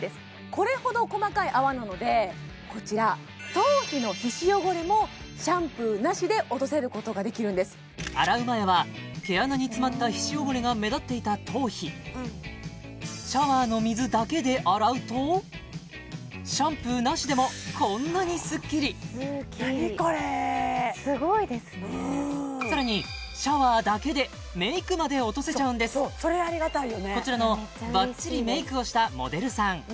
これほど細かい泡なのでこちら頭皮の皮脂汚れもシャンプーなしで落とせることができるんです洗う前は毛穴に詰まった皮脂汚れが目立っていた頭皮シャワーの水だけで洗うとシャンプーなしでもこんなにスッキリ何これすごいですねさらにこちらのばっちりメイクをしたモデルさん